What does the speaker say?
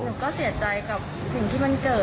หนูก็เสียใจกับสิ่งที่มันเกิด